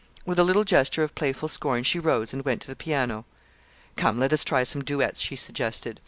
With a little gesture of playful scorn she rose and went to the piano. "Come, let us try some duets," she suggested.